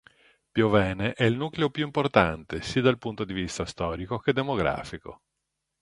Piovene è il nucleo più importante sia dal punto di vista storico che demografico.